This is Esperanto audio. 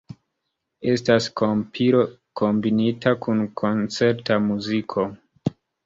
Estas kompilo kombinita kun koncerta muziko.